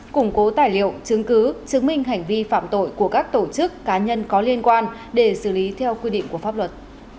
củng cố tài liệu chứng cứ chứng minh hành vi phạm tội của các tổ chức cá nhân có liên quan để xử lý theo quy định của pháp luật